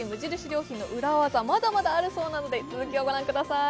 良品の裏ワザまだまだあるそうなので続きをご覧ください